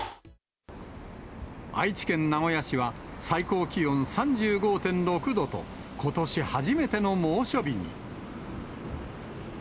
愛知県名古屋市は、最高気温３５．６度と、ことし初めての猛暑日に。